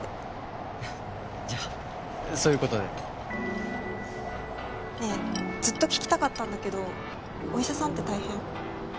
じゃあそういう事で。ねえずっと聞きたかったんだけどお医者さんって大変？